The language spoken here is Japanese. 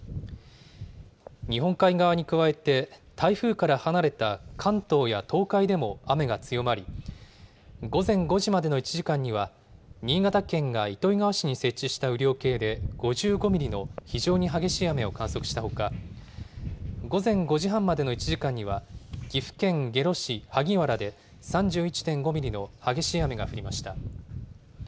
日本海側に加えて、台風から離れた関東や東海でも雨が強まり、午前５時までの１時間には、新潟県が糸魚川市に設置した雨量計で５５ミリの非常に激しい雨を観測したほか、午前５時半までの１時間には、岐阜県下呂市萩原で３１．５ミリの激しい雨が降りました。